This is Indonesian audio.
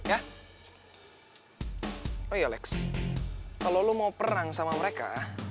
kalau lo mau perang sama mereka